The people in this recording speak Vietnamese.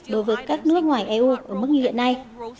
đối với các nước ngoài eu ở mức như hiện nay